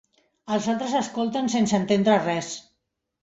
Els altres escolten sense entendre res.